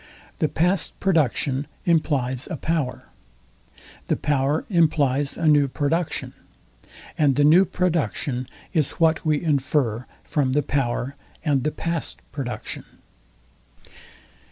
The past production implies a power: The power implies a new production: And the new production is what we infer from the power and the past production.